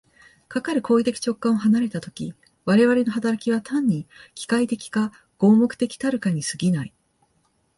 かかる行為的直観を離れた時、我々の働きは単に機械的か合目的的たるかに過ぎない。